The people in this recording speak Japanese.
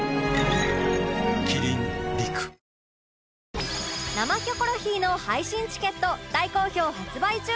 キリン「陸」「生キョコロヒー」の配信チケット大好評発売中！